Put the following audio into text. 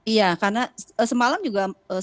iya karena semalam juga statusnya masih